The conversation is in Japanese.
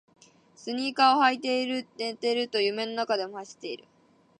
スニーカーを履いて寝ると夢の中でも走っている